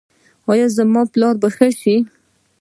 ایا زما پلار به ښه شي؟